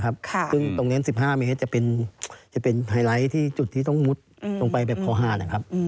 ซึ่งตรงนั้น๑๕เมตรจะเป็นไฮไลท์ที่จุดที่ต้องมุดลงไปแบบคอหาดนะครับ